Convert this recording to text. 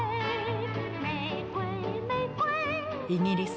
イギリス